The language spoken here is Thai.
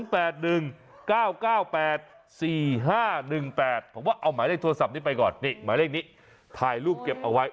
ผมว่าเอาหมายเลขโทรศัพท์นี้ไปก่อนนี่หมายเลขนี้ถ่ายรูปเก็บเอาไว้